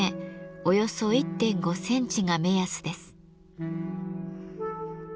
およそ１．５センチが目安です。